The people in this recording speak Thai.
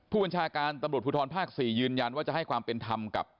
ผู้บัญชาการตำรวจภูทรภาค๔ยืนยันว่าจะให้ความเป็นธรรมกับ